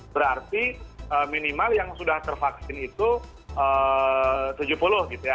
berarti minimal yang sudah tervaksin itu tujuh puluh gitu ya